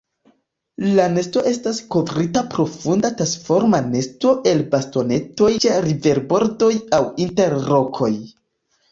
La nesto estas kovrita profunda tasforma nesto el bastonetoj ĉe riverbordoj aŭ inter rokoj.